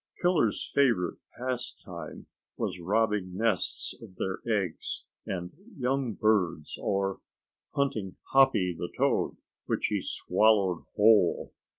Killer's favorite pastime was robbing nests of their eggs and young birds, or hunting Hoppy the Toad, which he swallowed whole.